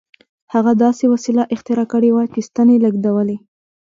هغه داسې وسیله اختراع کړې وه چې ستنې لېږدولې